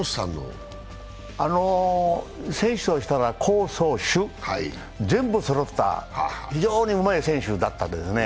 選手としたら攻走守、全部そろった非常にうまい選手だったですね。